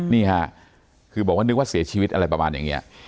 นี่ค่ะคือบอกว่านึกว่าเสียชีวิตอะไรประมาณอย่างนี้